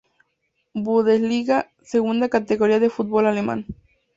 Bundesliga, segunda categoría del fútbol alemán.